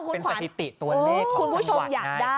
เป็นสถิติตัวเลขของบริษัท